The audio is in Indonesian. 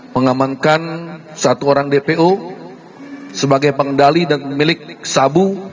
mengamankan satu orang dpo sebagai pengendali dan pemilik sabu